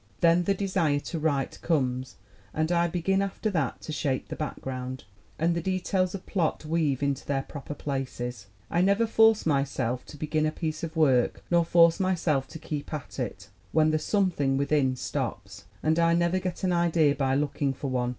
Then the desire to write comes and I begin after that to shape the background, and the details of plot weave into their proper places. I never force myself to begin a piece of work nor force myself to keep at it, when the something within stops. And I never get an idea by looking for one.